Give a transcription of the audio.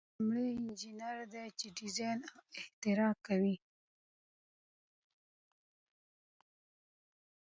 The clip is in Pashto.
لومړی انجینر دی چې ډیزاین او اختراع کوي.